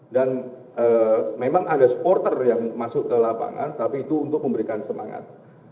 dan memang ada supporter yang masuk ke lapangan tapi itu untuk memberikan semangat